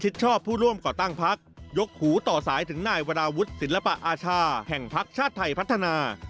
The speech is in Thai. ตั้งพักยกหูต่อสายถึงนายวราวุฒิศิลปอาชาแห่งพักชาติไทยพัฒนา